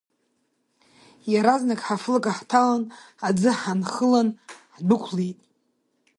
Иаразнак ҳафлыка ҳҭалан, аӡы ҳанхылан ҳдәықәлеит.